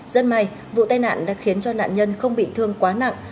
rất may vụ tai nạn đã khiến cho nạn nhân không bị thương quá nặng